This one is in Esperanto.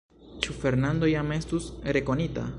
Ĉu Fernando jam estus rekonita?